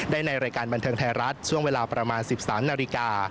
ในรายการบันเทิงไทยรัฐช่วงเวลาประมาณ๑๓นาฬิกา